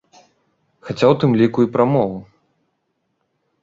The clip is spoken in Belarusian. Хаця ў тым ліку і пра мову.